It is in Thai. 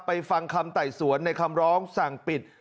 ฟังคำไต่สวนในคำร้องสั่งปิด